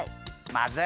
まぜる。